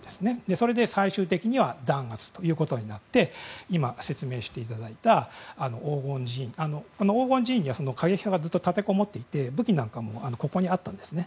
それで最終的には弾圧ということになって今、説明していただいた黄金寺院には過激派が立てこもっていて武器なんかもここにあったんですね。